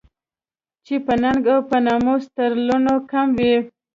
چې په ننګ او په ناموس تر لوڼو کم وي